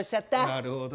なるほど。